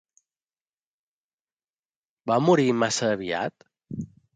Va morir massa aviat?